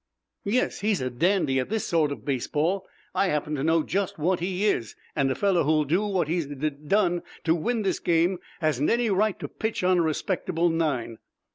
"Yes, he's a dandy at this sort of baseball. I happen to know just what he is, and a fellow who'll do what he's dud done to win this game hasn't any right to pitch on a respectable nine."